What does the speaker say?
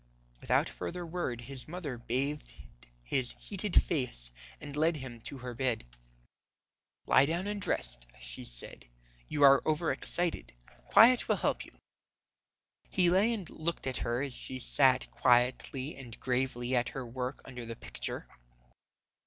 Without further word his mother bathed his heated face and led him to her bed. "Lie down and rest," she said, "you are over excited. Quiet will help you." He lay and looked at her as she sat quietly and gravely at her work under the Picture.